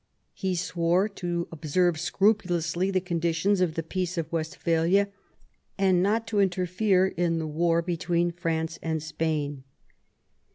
He swore to observe scrupulously the conditions of the Peace of Westphalia and not to interfere in the war between France and Spain.